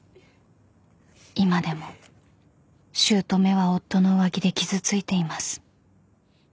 ［今でも姑は夫の浮気で傷ついています］